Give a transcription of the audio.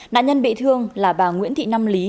nạn nhân bị thương là bà nguyễn thị năm lý